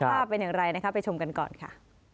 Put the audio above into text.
ภาพเป็นอย่างไรนะคะไปชมกันก่อนค่ะ